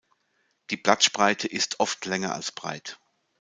Die Blattspreite ist oft länger als breit.